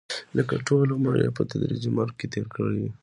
لکه ټول عمر یې په تدریجي مرګ کې تېر کړی وي.